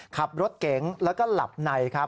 ขับรถเก๋งและก็หลับใน